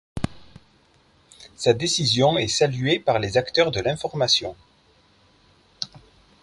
Sa décision est saluée par les acteurs de l’information.